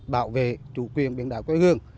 bảo vệ chủ quyền biển đảo quê hương